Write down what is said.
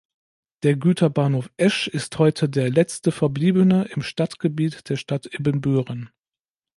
Der Güterbahnhof Esch ist heute der letzte verbliebene im Stadtgebiet der Stadt Ibbenbüren.